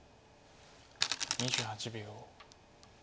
２８秒。